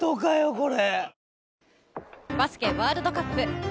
これ。